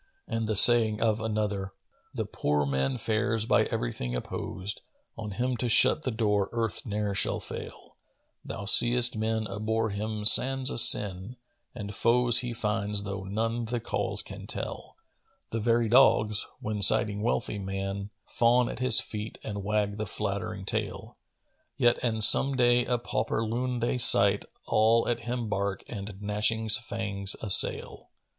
And the saying of another, "The poor man fares by everything opposed: * On him to shut the door Earth ne'er shall fail: Thou seest men abhor him sans a sin, * And foes he finds tho' none the cause can tell: The very dogs, when sighting wealthy man, * Fawn at his feet and wag the flattering tail; Yet, an some day a pauper loon they sight, * All at him bark and, gnashing fangs, assail."